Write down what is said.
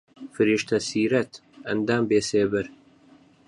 فریشتە سیرەت، ئەندام بێسێبەر